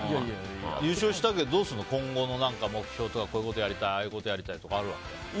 優勝したけどどうするの今後の目標とかこういうことやりたいとかあるわけ？